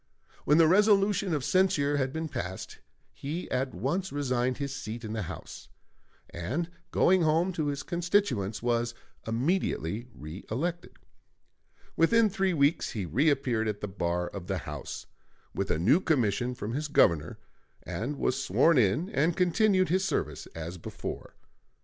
When the resolution of censure had been passed, he at once resigned his seat in the House, and going home to his constituents, was immediately reëlected. Within three weeks he reappeared at the bar of the House, with a new commission from his Governor, and was sworn in and continued his service as before.